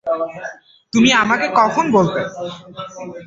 তুমি আমাকে কখন বলতে?